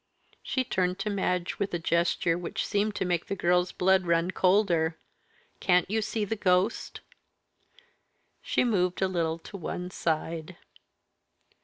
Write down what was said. She turned to Madge with a gesture which seemed to make the girl's blood run colder. "Can't you see the ghost?" She moved a little to one side.